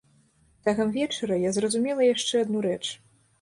Цягам вечара я зразумела яшчэ адну рэч.